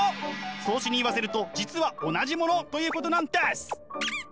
荘子に言わせると実は同じものということなんです！